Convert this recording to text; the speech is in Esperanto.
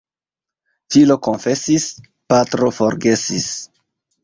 Filo konfesis — patro forgesis.